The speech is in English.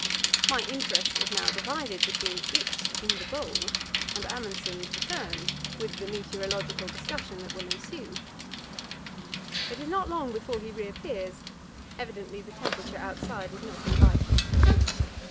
My interest is now divided between "it" in the bowl and Amundsen's return, with the meteorological discussion that will ensue. It is not long before he reappears; evidently the temperature outside is not inviting.